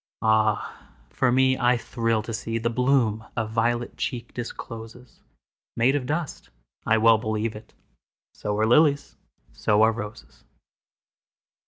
Ah, for me, I thrill to seeThe bloom a velvet cheek discloses, Made of dust—I well believe it! So are lilies, so are roses!